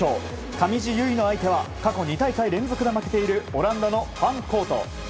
上地結衣の相手は過去２大会連続で負けているオランダのファン・コート。